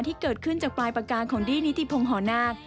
ที่เกิดขึ้นจากปลายประการของดี้นิติพงศ์หอนาค